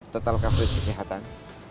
total coverage kekehatan